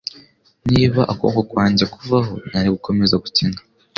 Niba ukuboko kwanjye kuvaho nari gukomeza gukina.